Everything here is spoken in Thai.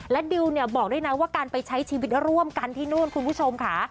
และดิวเนี่ยบอกด้วยนะว่าการไปใช้ชีวิตร่วมกันที่นู่นคุณผู้ชมค่ะ